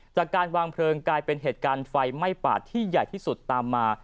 จากการวางเพลิงกลายเป็นเหตุการณ์ไฟไหม้ป่าที่ใหญ่ที่สุดตามมา